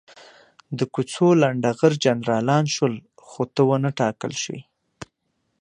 د کوڅو لنډه غر جنرالان شول، خو ته ونه ټاکل شوې.